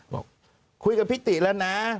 บอกคุยกับพิธีแล้วนะ